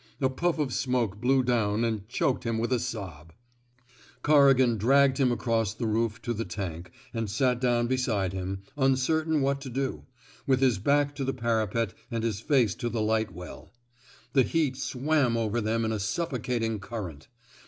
A puff of smoke blew down and choked him with a sob. 209 i THE SMOKE EATERS Corrigan dragged him across the roof to the tank, and sat down beside him — uncer tain what to do — with his back to the para pet and his face to the light well. The heat swam over them in a suffocating current.